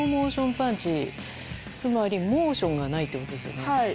つまりモーションがないってことですよね。